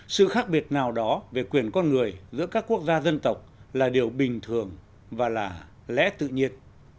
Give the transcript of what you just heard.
sự khác biệt nào đó về quyền con người giữa các quốc gia dân tộc là điều bình thường và là lẽ tự nhiên